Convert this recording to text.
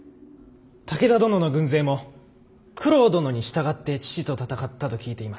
武田殿の軍勢も九郎殿に従って父と戦ったと聞いています。